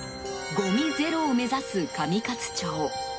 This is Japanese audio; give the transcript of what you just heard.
ごみゼロを目指す上勝町。